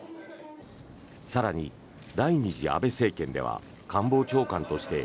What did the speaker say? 更に、第２次安倍政権では官房長官として